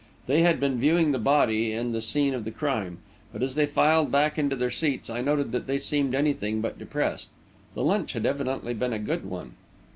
They had been viewing the body and the scene of the crime, but as they filed back into their seats, I noted that they seemed anything but depressed. The lunch had evidently been a good one.